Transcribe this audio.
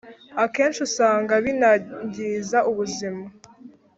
akenshi usanga binangiza ubuzima.